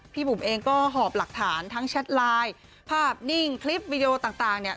บุ๋มเองก็หอบหลักฐานทั้งแชทไลน์ภาพนิ่งคลิปวิดีโอต่างเนี่ย